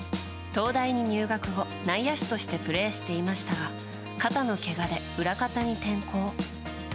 東大に入学後、内野手としてプレーしていましたが肩のけがで裏方へ転向。